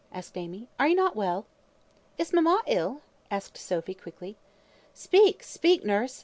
asked Amy. "Are not you well?" "Is mamma ill?" asked Sophy, quickly. "Speak, speak, nurse!"